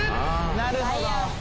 なるほど。